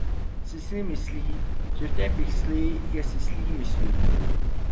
Sysli myslí, že v té pixli je syslí müsli.